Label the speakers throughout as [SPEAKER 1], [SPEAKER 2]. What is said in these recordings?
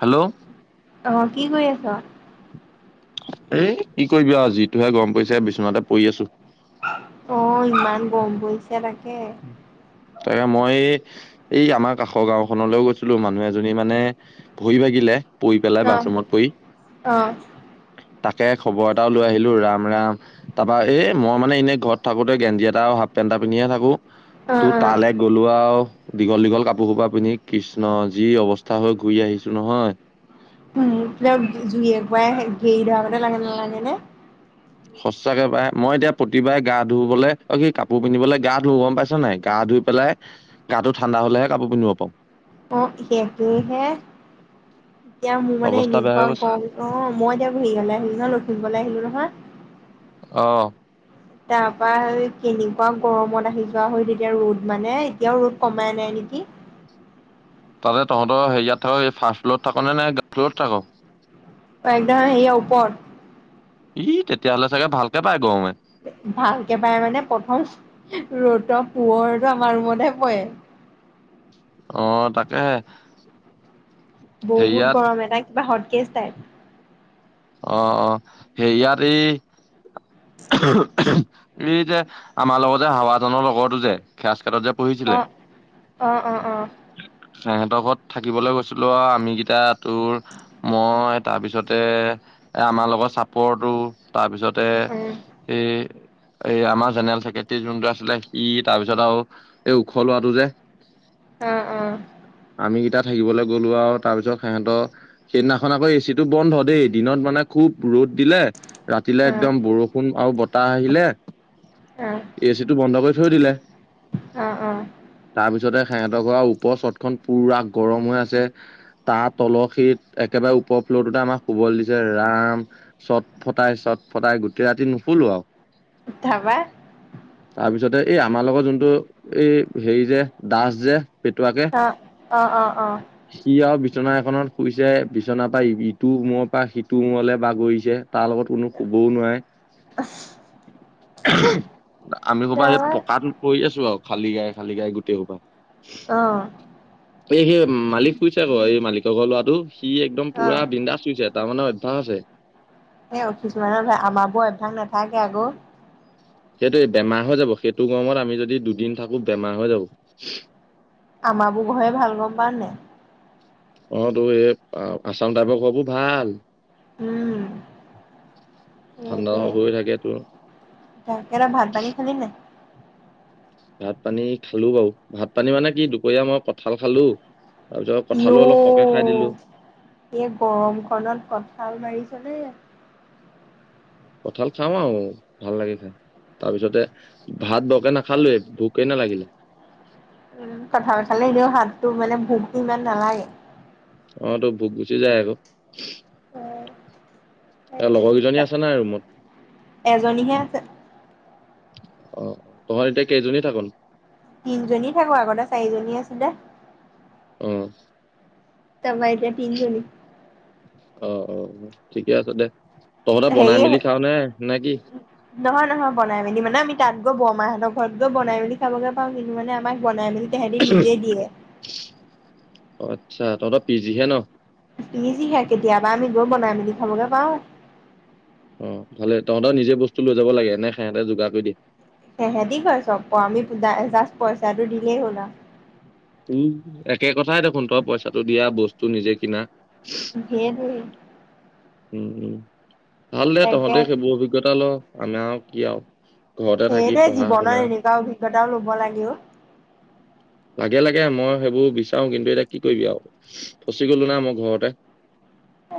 [SPEAKER 1] Hello.
[SPEAKER 2] অ', কি কৰি আছ'?
[SPEAKER 1] এ, কি কৰিবি আৰু যিটোহে গৰম পৰিছে বিচনাতে পৰি আছো।
[SPEAKER 2] অ', ইমান গৰম পৰিছে তাক
[SPEAKER 1] তাকে মই এই আমাৰ কাষৰ গাওঁখনলৈও গৈছিলো মানুহ এজনী মানে ভৰি ভাগিলে। পৰি পেলাই
[SPEAKER 2] অ
[SPEAKER 1] বাথৰুমত পৰি।
[SPEAKER 2] অ
[SPEAKER 1] তাকে খবৰ এটাও লৈ আহিলো ৰাম ৰাম তাৰাপা এ, মই মানে এনেই ঘৰত থাকোতে গেঞ্জি এটা আৰু হাপ পেন্টা পিন্ধিয়ে থাকো,
[SPEAKER 2] অ
[SPEAKER 1] তোৰ তাল গলো আৰু। দীঘল দীঘল কাপোৰ খোপা পিন্ধি কৃষ্ণ যি অৱস্থা হৈ ঘূৰি আহিছো নহয়।
[SPEAKER 2] [unintelligible] জুই একোৱাই হে গেৰি ধৰা আগতে লাহে লাগেনে?
[SPEAKER 1] সঁচাকে পায় মই এতিয়া প্ৰতিবাৰে গা ধুবলে অ', কি কাপোৰ পিন্ধিবলে গা ধু গম পাইছ নাই গা ধুই পেলাই গাটো ঠাণ্ডা হলেহে কাপোৰ পিন্ধিব পাৰো।
[SPEAKER 2] অ, সেইটোৱে হে এতিয়া মোৰ মানে
[SPEAKER 1] অৱস্থা বেয়া হৈ
[SPEAKER 2] এনেকুৱা
[SPEAKER 1] গৈছে
[SPEAKER 2] অ, মই এতিয়া ঘহি ঘালে খুজালো খুলবলে আহিলো নহয়।
[SPEAKER 1] অ',
[SPEAKER 2] তাৰপা কেনেকুৱা গৰমত আহি যোৱা হয় তেতিয়া ৰ'দ মানে এতিয়াও ৰ'দ কমাই নাই নেকি। [inaudible]
[SPEAKER 1] তাতে তহতৰ হেৰিয়াত থাক এই ফাষ্ট ফ্ল'ৰত থাকনে নাই গা, ফ্ল'ৰত থাক।
[SPEAKER 2] একদম হেৰি ওপৰত।
[SPEAKER 1] ই, তেতিয়াহ'লে চাগে ভালকে পায় গৱে।
[SPEAKER 2] ভালকে পায় মানে প্ৰথম ৰ'তৰ পোহৰটো আমাৰ ৰুমতে পৰে। [inaudible]
[SPEAKER 1] অ, তাকেহে।
[SPEAKER 2] বহুত
[SPEAKER 1] হেৰিয়াত
[SPEAKER 2] গৰম এটা কিবা হটকেচ টাইপ।
[SPEAKER 1] অ', - অ', হেৰিয়াতে এই যে আমাৰ লগত যে হাৱাজানৰ লগৰটো যে খাছ [unintelligible] পহিছিলে।
[SPEAKER 2] অ অ', অ', অ',
[SPEAKER 1] সেহেতৰ ঘৰত থাকিবলৈ গৈছিলো আৰু আমিগিটা তোৰ মই তাৰপিছতে এ, আমাৰ লগত চাপৰটো তাৰপিছতে
[SPEAKER 2] উম,
[SPEAKER 1] এ এই আমাৰ জেনেৰেল চেক্ৰেটেৰী যোনটো আছিলে সি তাৰপিছত আৰু এই ওখ লৰাটো যে।
[SPEAKER 2] অহ - অহ।
[SPEAKER 1] মিগিতা থাকিবলে গ'লো আৰু তাৰ পিছত সেহেত' সেইদিনাখন আকৌ এ চিটো বন্ধ দেই। দিনত মানে খুব ৰ'দ দিলে। ৰাতিলে
[SPEAKER 2] অ',
[SPEAKER 1] একদম বৰষুণ আৰু বতাহ আহিলে।
[SPEAKER 2] অ',
[SPEAKER 1] এ চিটো বন্ধ কৰি থৈ দিলে।
[SPEAKER 2] অ', অ',
[SPEAKER 1] তাৰপিছতে সেহেতৰ ঘৰৰ ওপৰ চত খন পুৰা গৰম হৈ আছে। তাৰ তলখিত একেবাৰে উপপ ফ্লৰ আমাৰ শুব দিছে। যে ৰাম চট ফটাই চট ফটাই গোটেই ৰাতি নুসোলো আৰু
[SPEAKER 2] তাৰপা
[SPEAKER 1] তাৰপিছতে এই আমাৰ লগত যোনটো এই হেৰি যে দাস যে পেটুৱাকে
[SPEAKER 2] অ', অ', অ', অ',
[SPEAKER 1] সি আৰু বিচনা এখনত শুইছে বিছনাৰ পৰা ইটো মৰ পৰা সিটো মোৰলৈ বাাগৰিছে। তাৰ লগত কোনো ক'বও নোৱাৰে আমি ক'বাত সেই
[SPEAKER 2] ধাবা
[SPEAKER 1] পকটো পৰি আছো আৰু। খালী গায় - খালী গায় গোটেই সোবা
[SPEAKER 2] অহ ',
[SPEAKER 1] এই সেই মালিক শুইছে আকৌ এই মালিকৰ ঘৰ লৰাটো সি একদম পুৰা
[SPEAKER 2] অ',
[SPEAKER 1] বিন্দা চুইছে। তাৰমানে অভ্যয়াস আছে।
[SPEAKER 2] এ অ, কিছুমানৰ ভ আমাৰাবোৰ এমথাক নাথাকে আকৌ।
[SPEAKER 1] সেইটো বেমাৰ হৈ যাব সেইটো গৰমত আমি যদি দুদিন থাকো বেমাৰ হৈ যাব।
[SPEAKER 2] আমাবোৰ ঘয়ে ভাল গম পা নে
[SPEAKER 1] অ, তোৰ এই আছাম টাইপৰ কবোৰ ভাল।
[SPEAKER 2] উম,
[SPEAKER 1] ঠাণ্ডা
[SPEAKER 2] সেইটোৱে
[SPEAKER 1] হৈ থাকে তোৰ।
[SPEAKER 2] তাকে ভাত পানী খালি নে।
[SPEAKER 1] ভাত পানী খালো বাৰু ভাত পানী মানে কি দুপৰীয়া মই কঠাল খালো। তাৰপিছত কঁঠালো
[SPEAKER 2] ইঔ
[SPEAKER 1] অলপ সৰহকে খাই দিলো
[SPEAKER 2] এ গৰম খনত কঠাল মাৰিছেনে।
[SPEAKER 1] কঠাল খাও আৰু ভাল লাগে খাই। তাৰপিছতে ভাত বৰকে নাখালোৱে ভোকেই নালাগিল
[SPEAKER 2] উম, কথা পথালে এনেও হাতটো মানে ভোকটো ইমান নালাগে।
[SPEAKER 1] অ, তো ভোক গুচি যায় আকৌ। লগৰ কেইজনী আছে নাই ৰুমত।
[SPEAKER 2] এজনীহে আছে।
[SPEAKER 1] অ, তহত এতিয়া কেইজনী থাক।
[SPEAKER 2] তিনিজনী থাকো আগতে চাৰিজনী আছিলে
[SPEAKER 1] উম
[SPEAKER 2] তাপা এতিয়া তিন জনি
[SPEAKER 1] অ অ ঠিকে আছে দে তহঁতে বনাই
[SPEAKER 2] হেৰি
[SPEAKER 1] মেলি খাও নে নে কি
[SPEAKER 2] নহয় নহয় বনাই মেলি মানে আমি তাত গৈ বৰমাহ হঁতক ঘৰত গৈ বনাই মেলি খাবগে পাওঁ কিন্তু মানে আমাক বনাই মেলি তেহেতি নিজেই দিয়ে
[SPEAKER 1] অ আচ্ছা তহঁতৰ পিজিহে ন
[SPEAKER 2] পজিহে কেতিয়াবা আমি গৈ বনাই মেলি খাবগে পাওঁ
[SPEAKER 1] অ ভালে তহঁতৰ নিজে বস্তু লৈ যাব লাগে এনে সেহঁতে যোগাৰ কৰি দিয়ে
[SPEAKER 2] সেহেতি কৰে চব ক আমি জাষ্ট পইচাটো দিলেই হুল আও
[SPEAKER 1] উম একে কথাই দেখোন তই পইচাটো দিয়া বস্তু নিজে কিনা
[SPEAKER 2] সেইটোৱেই
[SPEAKER 1] উম উম ভাল দে
[SPEAKER 2] তাকে
[SPEAKER 1] তহঁতে সেইবোৰ অভিজ্ঞতা ল আমাৰ আও কি আও
[SPEAKER 2] সেইটোৱে জীৱনত এনেকুৱা অভিজ্ঞতাও লব লাগেও
[SPEAKER 1] লাগে লাগে মই সেইবোৰ বিচাৰো কিন্তু এতিয়া কি কৰিবি আও ফচি গলো না মই ঘৰতে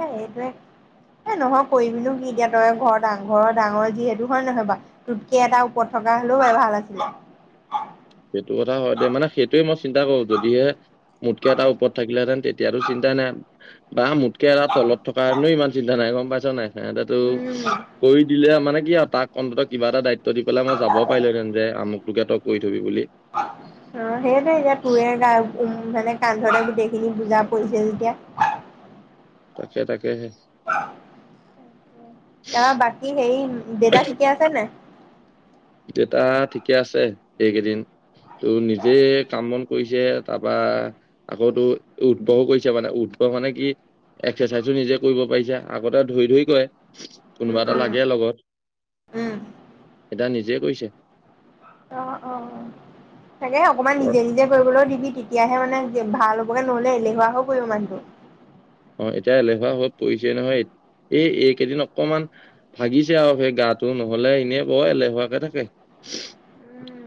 [SPEAKER 2] এই এইটোৱে এ নহয় কৰিবিনো কি এতিয়া তই ঘৰ ঘৰ ডাঙৰ যিহেতু হয় নহয় বা তোতকে এটা ওৰত থক কা হ'লেও বাই ভাল আছিলে
[SPEAKER 1] সেইটো কথা হয় দে মানে সেইটোৱে মই চিন্তা কৰো যদিহে মোতকে এটা ওপৰত থাকিলেতেন তেতিয়াতো চিন্তা নাই বা মোকে এৰা তলত থকা হেতেনো ইমান চিন্তা নাই গম পাইছা নাই। সেহেতেটো
[SPEAKER 2] উম
[SPEAKER 1] কৰি দিলে আ মানে কি আ তাক অন্তত কিবা এটা দায়িত ত' দি পেলাই মই পেলাই মই যাব পাৰিলোহেঁতেন যে আমুটোকে
[SPEAKER 2] অ, সেইটোৱে এতিয়া [unintelligible] কান্ধতে গোটেইখিনি বুজা পৰিছে যেতিয়া।
[SPEAKER 1] তাকে-তাকেহে।
[SPEAKER 2] [unintelligible] [unintelligible] বাকী হেৰি দেউতা ঠিকে আছে নে নাই?
[SPEAKER 1] দেউতা ঠিকে আছে এইকেইদিন ত' নিজে কাম বন কৰিছে তাৰপৰা আকৌ তো [unintelligible] কৰিছে মানে [unintelligible] মানে কি এক্সাৰচাইজ [unintelligible] নিজে কৰিব পাৰিছা আগতে ধৰি-ধৰি কয়ে।
[SPEAKER 2] উম
[SPEAKER 1] কোনোবা এটা
[SPEAKER 2] উম
[SPEAKER 1] লাগে লগত
[SPEAKER 2] উম
[SPEAKER 1] এতিয়া নিজে কৰিছে।
[SPEAKER 2] অ', অ', ছাগে অকমান নিজে নিজে কৰিবলৈ [unintelligible] এতিয়াহে মানে ভাল হ'বকে নহ'লে এলেহুৱাও কৰিব মানুহটো।
[SPEAKER 1] অ, এতিয়া এলেহুৱা হৈত পৰিছে নহয় এইট এই এইকেইদিন অকমান ভাগিছে আৰু সেই গাটো নহলে এনেই বৰ এলেহুৱাকে থাকে।
[SPEAKER 2] [inaudible]
[SPEAKER 1] [inaudible]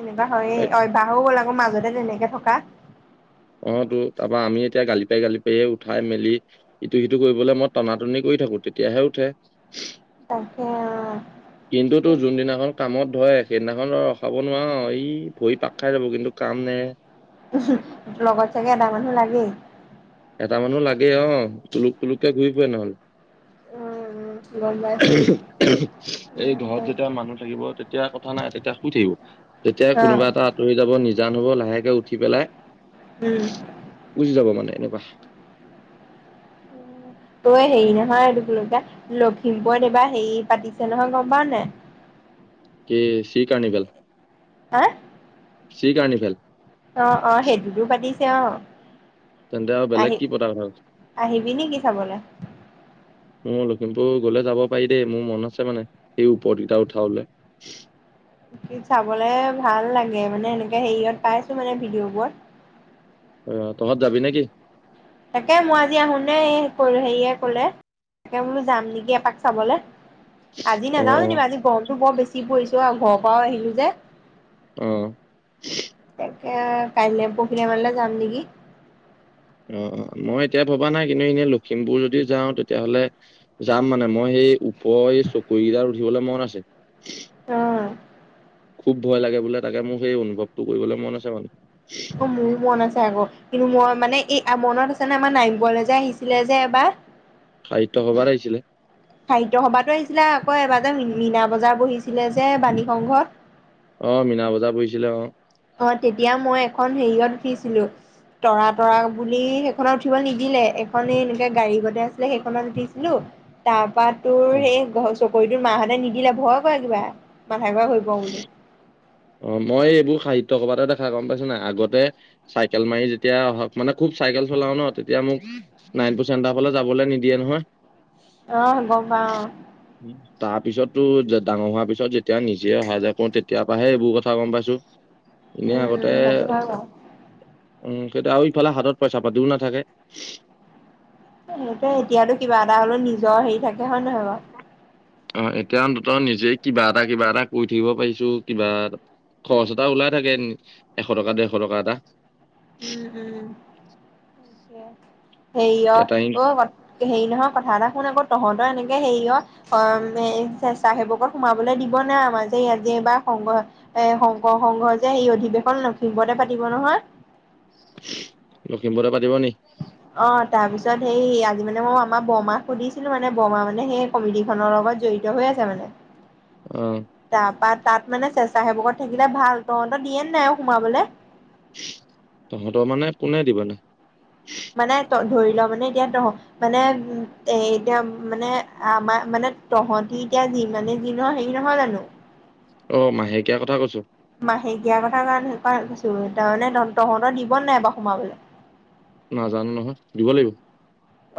[SPEAKER 2] এনেকুৱা হইয়ে অভ্যাস হৈ গ'ল আকৌ মাজতে তেনেকে থকা।
[SPEAKER 1] অ, তো তাৰ পা আমি এতিয়া গালি পাই -গালি পাইয়ে উঠাই মেলি ইটো-সিটো কৰিবলৈ মই টনা-টনি কৰি [unintelligible] থাকো তেতিয়াহে উঠে। [unintelligible]
[SPEAKER 2] তাকে
[SPEAKER 1] কিন্তু
[SPEAKER 2] অ
[SPEAKER 1] তোৰ যোনদিনাখন কামত ধয়ে সেইদিনাখন ৰ-ৰখাব নোৱাৰ ই ভৰি পাক খাই যাব কিন্তু কাম নে
[SPEAKER 2] [unintelligible] লগত চাগে এটা মানুহ লাগেই।
[SPEAKER 1] এটা মানুহ লাগে অ' তুলুক তুলুককে ঘূৰি ফুৰে নহলে।
[SPEAKER 2] উম উম গম পাইছো
[SPEAKER 1] এই ঘৰত যেতিয়া মানুহ থাকিব তেতিয়া তেতিয়া কথা নাই তেতিয়া শুই থাকিব, যেতিয়া
[SPEAKER 2] অ
[SPEAKER 1] কোনোবা এটা আঁতৰি যাব নিজান হব লাহেকে উঠি পেলাই
[SPEAKER 2] উম
[SPEAKER 1] গুছি যাব মানে এনেকুৱা।
[SPEAKER 2] ত এই হেৰি নহয় এইটো কি বুলি কয় লখিমপুৰত এইবাৰ হেৰি পাতিছে নহয় গম পাও নে নাই?
[SPEAKER 1] কি চি কাৰ্ণিভেল
[SPEAKER 2] আ
[SPEAKER 1] চি কাৰ্ণিভেল।
[SPEAKER 2] অ', অ', সেইটোতো পাতিছে অ'।
[SPEAKER 1] তেন্তে আৰু বেলেগ
[SPEAKER 2] আহি
[SPEAKER 1] কি পতা কথা
[SPEAKER 2] আহিবি নেকি চাবলে?
[SPEAKER 1] [unintelligible] [unintelligible] গ'লে যাব পাৰি দেই, মোৰ মন আছে মানে সেই ওপৰতকিটা উঠাবলে
[SPEAKER 2] চাবলে ভাল লাগে মানে এনেকে হেৰিয়ত পাইছোঁ মানে ভিডিঅ'বোৰত।
[SPEAKER 1] অ', তহঁত যাবি নেকি?
[SPEAKER 2] তাকে, মই আজি আহোতে [unintelligible] হেৰিয়ে ক'লে তাকে, বোলো যাম নেকি এপাক চাবলে। আজি
[SPEAKER 1] অ
[SPEAKER 2] নাযাওঁ
[SPEAKER 1] অ
[SPEAKER 2] যেনিবা আজি গৰমতো বৰ বেছি পৰিছে অ', ঘৰৰ পৰায়ো আহিলোঁ যে
[SPEAKER 1] অ'।
[SPEAKER 2] এ, কাইলৈ, পৰহিলৈ মানলে যাম নিকি।
[SPEAKER 1] অ', অ', মই এতিয়া ভবা নাই কিন্তু এনেই লখিমপুৰ যদি যাওঁ তেতিয়াহ'লে যাম মানে মই এই উপৰৰ এই চকৰীকেইটাত উঠিবলৈ মন আছে।
[SPEAKER 2] অ'।
[SPEAKER 1] খুব ভয় লাগে বোলে তাকে মোৰ সেই অনুভৱটো কৰিবলৈ মন আছে বাৰু।
[SPEAKER 2] অ' মোৰো মন আছে আকৌ কিন্তু মই মানে এই মনত আছে নে আমাৰ নামঘৰলৈ যে আহিছিলে যে এবাৰ
[SPEAKER 1] সাহিত্য সভাত আহিছিলে
[SPEAKER 2] সাহিত্য সভাতো আহিছিলে আকৌ এবাৰ মীনা বজাৰ বহিছিলে যে বাণী সংঘত।
[SPEAKER 1] অ' মীনা বজাৰ বহিছিলে অ'
[SPEAKER 2] অ' তেতিয়া মই এখন হেৰিয়ত উঠিছিলো তৰা তৰা বুলি সেইখনত উঠিব নিদিলে, এখননে এনেকে গাড়ী গতে আছিলে সেইখনত উঠিছিলো। তাৰপা তোৰ সেই চকৰি তোৰ মাহঁতে নিদিলে ভয় কৰে কিবা। ঘূৰাই হৈ পৰো বুলি
[SPEAKER 1] অ' মই এইবোৰ সাহিত্য সভাত তই এটা কথা গম পাইছ নাই, আগতে চাইকেল মাৰি যেতিয়া মানে খুব চাইকেল চলাও ন তেতিয়া মোক [unintelligible] চেণ্টাৰ ফালে যাবলৈ নিদিয়ে নহয়।
[SPEAKER 2] আহ গম পাও।
[SPEAKER 1] তাৰ পিছতো ডাঙৰ হোৱাৰ পিছত যেতিয়া নিজে অহা যায় কৰো তেতিাৰ পৰাহে এইবোৰ কথা গম পাইছো।
[SPEAKER 2] উম
[SPEAKER 1] এনেই আগতে
[SPEAKER 2] উম সেইটো হয় বাৰু
[SPEAKER 1] উম সেইতিয়া আৰু ইফালে হাতত পইচা পাতিও নাথাকে।
[SPEAKER 2] সেই এতিয়াতো কিবা এটা হলেও নিজৰ হেৰি থাকে হয় নহয় বাৰু
[SPEAKER 1] অ' এতিয়া অন্তত নিজেই কিবা এটা কিবা এটা কৰি থাকিব পাৰিছো কিবা এ খৰচ এটা ওলাই থাকে, এশ টকা ডেৰশ টকা এটা।
[SPEAKER 2] উম উম। হেৰি
[SPEAKER 1] এতিয়া টাইম
[SPEAKER 2] অ' অ' হেৰি নহয় কথা এটা শুন আকৌ। তহঁতৰ এনেকে হেৰিয় অ' চ চ সেইবকত সোমাবলে দিব নে আমাৰ যে ইয় যে এইবাৰ সংঘ এ শংকৰ সংঘ যে সেই অধিৱেশন লখিমপতে পাতিব নহয়।
[SPEAKER 1] লখিমপুৰে পাতিব নি?
[SPEAKER 2] অ তাৰপিছত সেই আজি মানে মই আমাৰ বৰমাক সুধিছিলো মানে বৰমা মানে সেই কমিডি খনৰ লগত জড়িত হৈ আ মানে
[SPEAKER 1] অ
[SPEAKER 2] তাৰ পাত তাত মানে চেচাাসেৱকত থাকিলে ভাল তহঁতৰ দিয়ে নাই আৰু সোমাবলৈ?
[SPEAKER 1] তহঁতৰ মানে কোনে দিব ন?
[SPEAKER 2] মানে তই ধৰি মানে এতিয়া তহ মানে উ এ এতিয়া মানে আমাৰ মানে তহতি এতিয়া মানে দিনৰ হেৰি নহয় জানো?
[SPEAKER 1] অ' মাহেকীয়া কথা কৈছো?
[SPEAKER 2] সেই দিয়া কথা কাৰণ কৈছো তাৰমানে তহঁতৰ দিব নাই বাৰ সোমাবলৈ
[SPEAKER 1] নাজানো নহয় দিব লাগিব।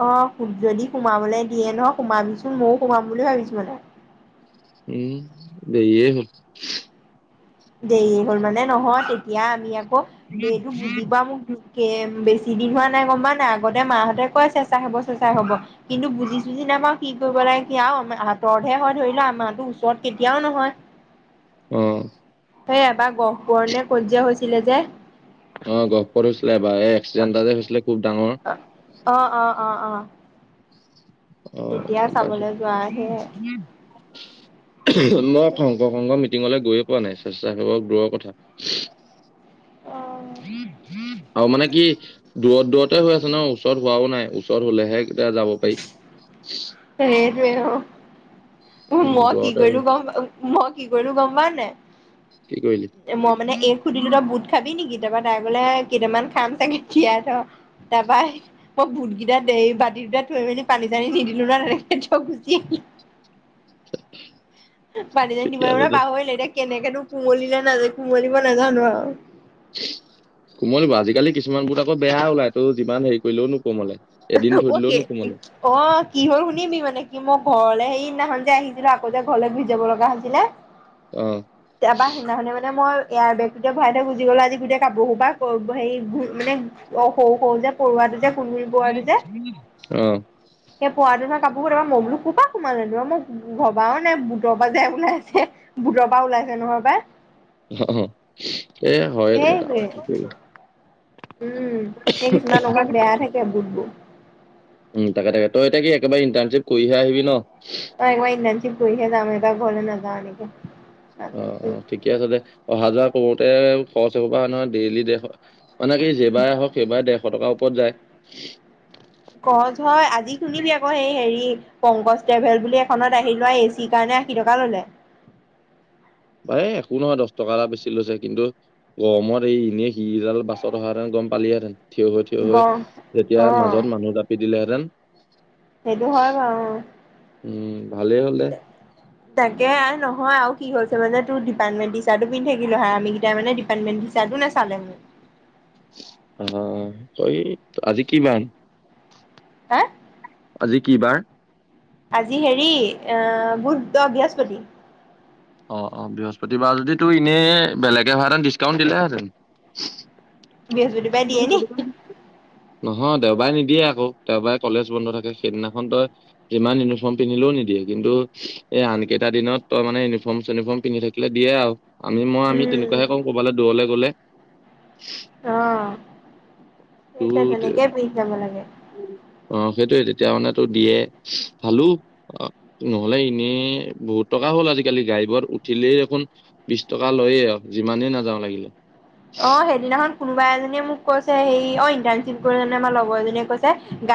[SPEAKER 2] অ যদি সোমাবলৈ দিয়ে নহ সোমাবিচোন, ময়ো সোমাম বুলি ভাবিছো মানে।
[SPEAKER 1] উম। দেৰি হ'ল।
[SPEAKER 2] দেৰি হ'ল মানে নহয়। তেতিয়া আমি আকৌ বেইটো বুজি পোৱা মোক। কে বেছি দিন হোৱা নাই গ'ম পা নাই। আগতে মাহঁতে কয় চেঁচা হ'ব চেঁচা হ'ব কিন্তু বুজি চুজি নাই। তেতিয়া আমাৰ কি কৰিব লাগে। কি আৰু আমাৰ আতৰতহে হয় ধৰিলোৱা আমাৰতো ওচৰত কেতিয়াও নহয়।
[SPEAKER 1] উম।
[SPEAKER 2] এই এবাৰ গহপুৰৰ নে ক'ৰবাত হৈছিলে যে।
[SPEAKER 1] অ গহপুৰত হৈছিলে এবাৰ এই এক্সিডেণ্টটা যে হৈছিলে খুব ডাঙৰ।
[SPEAKER 2] অ, অ, অ, অ।
[SPEAKER 1] আহ
[SPEAKER 2] তেতিয়া
[SPEAKER 1] গ'ম পাইছো।
[SPEAKER 2] চাবলৈ যোৱা সেয়াই
[SPEAKER 1] শংকৰ শংঘ মিটিঙলৈ গৈয়ে পোৱা নাই। স্বেচ্ছাসেৱক দূৰৰ কথা।
[SPEAKER 2] অ।
[SPEAKER 1] আৰু মানে কি দূৰত দূৰতে হৈ আছে ন ওচৰত হোৱাও নাই ওচৰত হ'লে হে। তেতিয়া যাব পাৰি।
[SPEAKER 2] যি নহওঁক
[SPEAKER 1] উম
[SPEAKER 2] মই কি
[SPEAKER 1] দূৰতে
[SPEAKER 2] কৰিলোঁ
[SPEAKER 1] হয়
[SPEAKER 2] গ'ম মই কি কৰিলোঁ গম পাৱনে নাই।
[SPEAKER 1] কি কৰিলি
[SPEAKER 2] মই মানে এই সুধিলো তই বুট খাবি নেকি? কেতিয়াবা তাই বোলে কেইটামান খাম চাগে তিয়াই থ। তাৰপা মই বুট কেইটাত দেহি বাতিটোতে থৈ মেলি পানী চানী নিদিলোঁ ন তেনেকে থয় গুচি আহিলোঁ। [unintelligible] পানী চানি
[SPEAKER 1] ঠিকে
[SPEAKER 2] দিবলৈ মানে
[SPEAKER 1] আছে দে
[SPEAKER 2] পাহৰিলোঁ। এতিয়া কেনেকেনো কোমলিলে নাজানো কুমলিব নাজানো আৰু।
[SPEAKER 1] কোমলিব আজিকালি কিছুমান বোটত আকৌ বেয়া ওলাই তো যিমান হেৰি কৰিলেও নো।
[SPEAKER 2] অ, নে অ, কিহ হ'ল শুনিবি মানে কি মোক। ঘৰলে সেইদিনাহন যে আহিছিলো আকৌযে ঘৰলে ঘোৰি জাব লগা হৈছিলে।
[SPEAKER 1] অ
[SPEAKER 2] এবাৰ সেইদিনাখনে মানে মই। এয়াৰ বেগটোতে ভৰাই থৈ গুজি গ'লো। আজি গোটেই কাপোৰ সোপা হেৰি মানে অ সৰু সৰু যে পৰুৱাটো যে। শুনিবোৱাৰী।
[SPEAKER 1] আহ।
[SPEAKER 2] পৰুৱাটো কাপোৰ কেইটা মই বো কোৰপা সোমাল নেনো, মই ভৰবাও নাই বুটৰ পৰা যোই ওলাই আছে বুটৰ পৰা। ওলাইছে নহয় বাই।
[SPEAKER 1] অ এ হয় কাম।
[SPEAKER 2] সেইটোৱে উম। সেই কিছুমান অহাত বেয়া থাকে বুটবোৰ।
[SPEAKER 1] উম। তাকে তাকে তই এতিয়া কি একেবাৰে ইণ্টাৰ্শ্বিপ কৰিহে আহিবি ন।
[SPEAKER 2] অ ইনণ্টেটচিপ কৰিহে যাম এবাৰ ঘৰলৈ নাজাও এনেকে।
[SPEAKER 1] অ, অ ঠিকে আছে দে অহা যোৱা কৰোতে খৰচ হ'ব পৰা হয় নহয় ডেইলি দেৰ। মানে কি যেবাৰে আহক সেইবাৰে ডেৰশ টকাৰ ওপৰত যায়।
[SPEAKER 2] সহজ হয় আজি শুনিবি আকৌ সেই হেৰি পংকজ ট্ৰেভেল বুলি এখনত আহি লোৱা এ চিৰ কাৰণে আশী টকা ল'লে।
[SPEAKER 1] বাই একো নহয় দহ টকা এটা বেছি লৈছে কিন্তু। গৰমত এই এনেই সিডাল বাছত অহাহেঁতেন গ'ম পালিহেঁতেন। থিয় হৈ। থিয় হৈ। যেতিয়া
[SPEAKER 2] গ অ
[SPEAKER 1] মাজত মানুহ জাপি দিলেহেঁতেন।
[SPEAKER 2] সেইটো হয় বাৰু।
[SPEAKER 1] উম ভালেই হ'ল দে
[SPEAKER 2] তাকে নহয় আৰু কি হ‌। মানে তোৰ ডিপ্টমেণ্ট চাৰ্টিফিকেট থাকিলে হয় আমি কেইটাই ডিপ্টমেণ্ট চাৰট নাচালে মোৰ।
[SPEAKER 1] অ, ত আজি কিমান।
[SPEAKER 2] হা
[SPEAKER 1] আজি কি বাৰ।
[SPEAKER 2] আজি হেৰি আহ বুধ অ বৃহস্পতি।
[SPEAKER 1] অ, অ বৃহস্পতিবাৰ যদি ত এনেই বেলেগে হোৱা হেতেন ডিচকাউন্ট দিলেহেঁতেন।
[SPEAKER 2] বৃহস্পতিবাৰে দিয়েনে।
[SPEAKER 1] নহয় দেওবাৰে নিদিয়ে আকৌ। দেওবাৰে কলেজ বন্ধ থাকে। সেইদিনাখন তই যিমান ইউনিফৰ্ম পিন্ধিলো। নিদিয়ে কিন্তু এই আনকেইটা দিনত তই মানে ইউনিফৰ্ম চিউনিফৰ্ম পিন্ধি থাকিলে দিয়ে আৰু। আমি মই আমি
[SPEAKER 2] উম
[SPEAKER 1] তেনেকুৱাহে কৰো কৰবালৈ দূৰলে গ'লে।
[SPEAKER 2] অ',
[SPEAKER 1] তো
[SPEAKER 2] সেই তেনেকে পিন্ধি যাব লাগে
[SPEAKER 1] অ' সেইটোৱে তেতিয়া মানে তোৰ দিয়ে। খালো নহলে এনেই বহুত টকা হ'ল আজিকালি গাড়ীবোৰত উঠিলেই দেখোন বিশ টকা লয়ে আও যিমানেই নাযাওঁ লাগিলে
[SPEAKER 2] অ সেইদিনাখন কোনোবা এজনীয়ে মোক কৈছে সেই অ ইটাৰশ্বিপ কৰি মানে আমাৰ লগৰ এজনীয়ে কৈছে গা